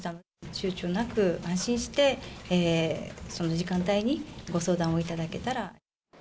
ちゅうちょなく、安心して、その時間帯にご相談をいただけたら。